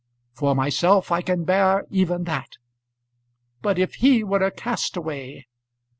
For myself I can bear even that. But if he were a castaway